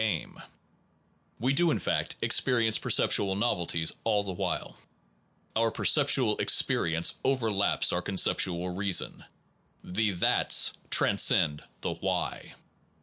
140 THE ONE AND THE MANY i We do, in fact, experience perceptual novelties all the while. Our perceptual experience over laps our conceptual reason : the that transcends the why.